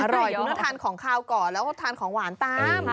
อร่อยคุณต้องทานของขาวก่อนแล้วก็ทานของหวานตาม